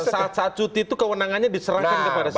saat saat cuti itu kewenangannya diserahkan kepada siapa